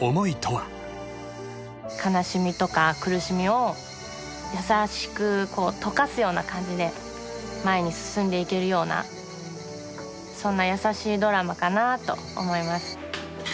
悲しみとか苦しみを優しくとかすような感じで前に進んでいけるようなそんな優しいドラマかなと思います。